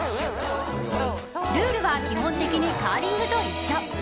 ルールは基本的にカーリングと一緒。